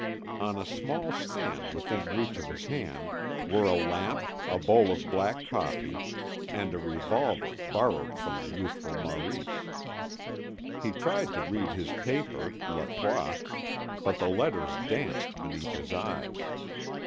On a small stand within reach of his hand were a lamp, a bowl of black coffee, and a revolver borrowed from the youthful Maurice. He tried to read his paper, La Croix, but the letters danced beneath his eyes.